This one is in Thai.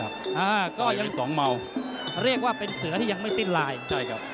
อ่าก็ยกที่สองเมาเรียกว่าเป็นเสือที่ยังไม่สิ้นลายใช่ครับ